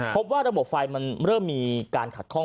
ตั้งแต่ว่าระบบไฟมันเริ่มมีการขัดคล่อง